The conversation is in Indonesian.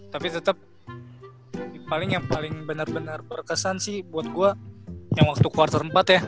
tapi tetep paling yang paling bener bener berkesan sih buat gue yang waktu quarter empat ya